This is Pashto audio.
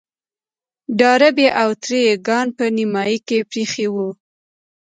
ډاربي او تره يې کان په نيمايي کې پرېيښی و.